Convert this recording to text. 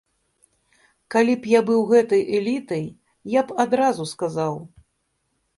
Калі б я быў гэтай элітай, я б адразу сказаў.